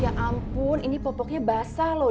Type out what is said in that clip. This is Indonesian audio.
ya ampun ini popoknya basah loh